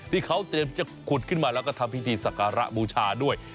ที่เขาเตรียมจะขุดขึ้นมาแล้วก็ทำพิธีสักการะบูชาด้วย